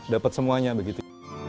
dapat semuanya begitu